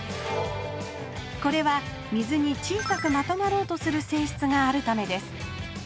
これは水に小さくまとまろうとするせいしつがあるためです